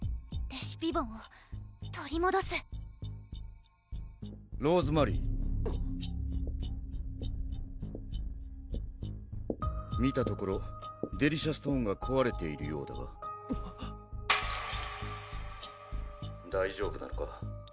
レシピボンを取りもどすローズマリー見たところデリシャストーンがこわれているようだが「大丈夫なのか？」